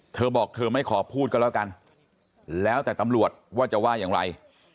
เธอบอกเธอไม่ขอพูดก็แล้วกันแล้วแต่ตำรวจว่าจะว่าอย่างไร